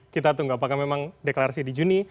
kita tunggu apakah memang deklarasi di juni